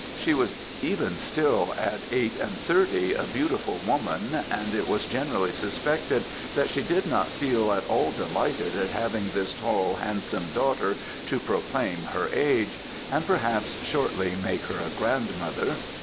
She was even, still, at eight and thirty, a beautiful woman; and it was generally suspected, that she did not feel at all delighted at having this tall, handsome daughter, to proclaim her age; and, perhaps shortly, make her a grandmother.